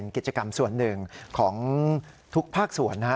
กิจกรรมส่วนหนึ่งของทุกภาคส่วนนะฮะ